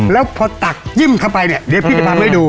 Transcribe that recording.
แล้วพอตักยิ่มเข้าไปเนี่ยเดี๋ยวพี่จะทำให้ดู